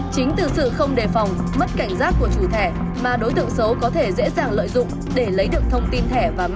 chính từ sự không đề phòng mất cảnh giác của chủ thẻ mà đối tượng xấu có thể dễ dàng lợi dụng để lấy được thông tin thẻ và mã số